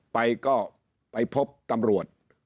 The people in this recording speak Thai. ไปก็ไปพบตำรวจ